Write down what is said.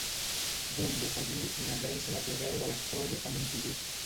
Vull afegir una adreça de correu electrònic a mon cosí.